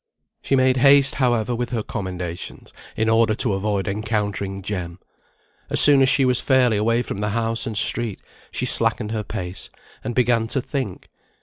She made haste, however, with her commendations, in order to avoid encountering Jem. As soon as she was fairly away from the house and street, she slackened her pace, and began to think.